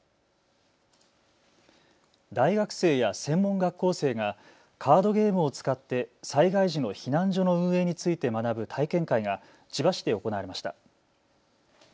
大学生や専門学校生がカードゲームを使って災害時の避難所の運営について学ぶ体験会が千葉市で行われました。